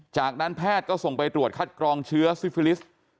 จากนั้นแพทย์ก็ส่งไปตรวจคัดกรองเชื้อซิฟิลิส